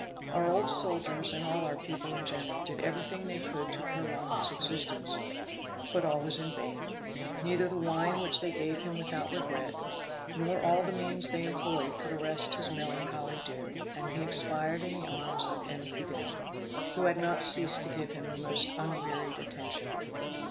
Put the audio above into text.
Our old soldiers and all our people in general did everything they could to prolong his existence, but all was in vain. Neither the wine which they gave him without regret, nor all the means they employed, could arrest his melancholy doom, and he expired in the arms of M. Coudin, who had not ceased to give him the most unwearied attention.